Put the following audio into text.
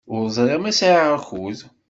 Ur ẓriɣ ma sɛiɣ akud.